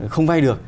không vay được